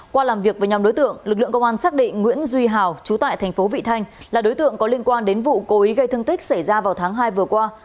qua làm việc với nhóm đối tượng lực lượng công an xác định nguyễn duy hào chú tại thành phố vị thanh là đối tượng có liên quan đến vụ cố ý gây thương tích xảy ra vào tháng hai vừa qua